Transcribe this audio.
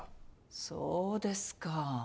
そうですか。